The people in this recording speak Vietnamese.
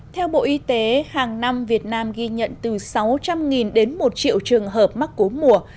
theo bộ y tế hàng năm việt nam ghi nhận từ sáu trăm linh đến một triệu trường hợp mắc cú mùa